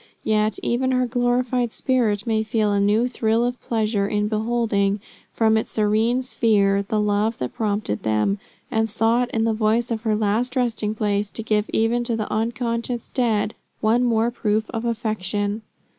Yet even her glorified spirit may feel a new thrill of pleasure in beholding, from its serene sphere, the love that prompted them, and sought in the choice of her last resting place to give even to the unconscious dead one more proof of affection.